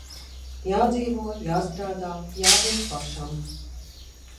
Jādzīvo, jāstrādā, jābūt pašam.